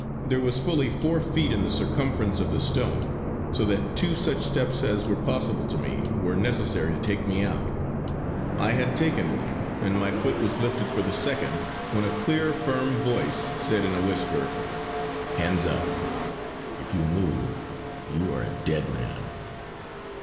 There was fully four feet in the circumference of the stone so that two such steps as were possible to me were necessary to take me out. I had taken one and my foot was lifted for the second when a clear firm voice said in a whisper: "Hands up! If you move you are a dead man!"